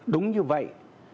đúng như vậy